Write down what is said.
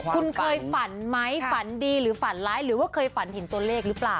คุณเคยฝันไหมฝันดีหรือฝันร้ายหรือว่าเคยฝันเห็นตัวเลขหรือเปล่า